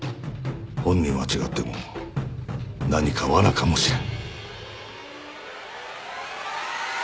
本人は違っても何かわなかもしれん。